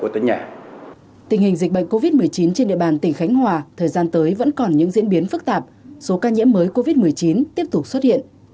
tình hình dịch bệnh covid một mươi chín trên địa bàn tỉnh khánh hòa thời gian tới vẫn còn những diễn biến phức tạp số ca nhiễm mới covid một mươi chín tiếp tục xuất hiện